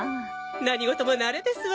何ごとも慣れですわ。